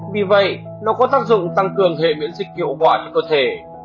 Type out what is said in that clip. vì vậy nó có tác dụng tăng cường hệ miễn dịch kiệu vọng cho cơ thể